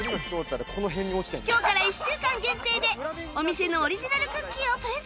今日から１週間限定でお店のオリジナルクッキーをプレゼント